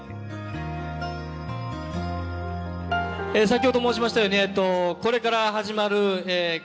先ほど申しましたようにこれから始まる家族です。